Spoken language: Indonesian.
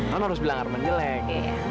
non harus bilang erman jelek